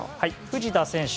藤田選手。